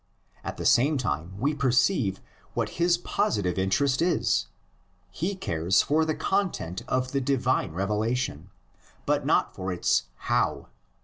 At the same time we per ceive what his positive interest is: he cares for the content of the divine revelation, but not for its "How."